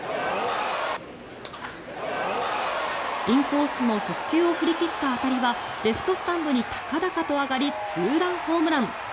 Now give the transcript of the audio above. インコースの速球を振り切った当たりはレフトスタンドに高々と上がりツーランホームラン。